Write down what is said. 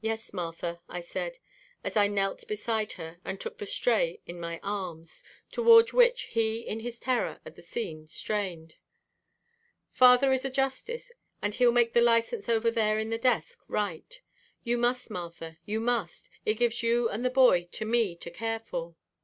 "Yes, Martha," I said, as I knelt beside her and took the Stray in my arms, toward which he in his terror at the scene strained. "Father is a justice and he'll make the license over there in the desk right. You must, Martha, you must! It gives you and the boy to me to care for."